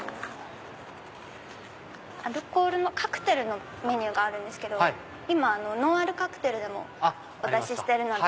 アルコールのカクテルのメニューがあるんですけど今ノンアルカクテルでもお出ししてるので。